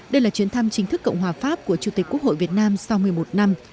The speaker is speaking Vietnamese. đây là chuyến thăm chính thức cộng hòa pháp của chủ tịch quốc hội việt nam sau một mươi một năm